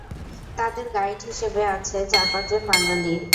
তাদের গাইড হিসেবে আছে চার-পাঁচজন বাঙালি।